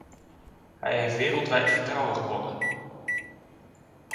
Hij heeft wereldwijd vertrouwen gewonnen.